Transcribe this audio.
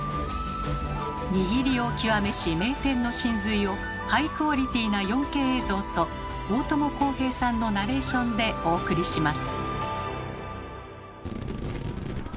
握りを極めし名店の神髄をハイクオリティーな４Ｋ映像と大友康平さんのナレーションでお送りします。